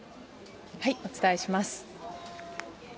お伝えします。